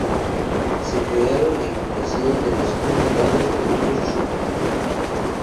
Se crearon a imitación de los Consulados de Burgos y Sevilla.